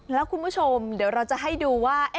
แล้วคุณผู้ชมเดี๋ยวเราจะให้ดูว่า